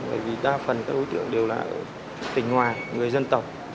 bởi vì đa phần các đối tượng đều là tỉnh ngoài người dân tộc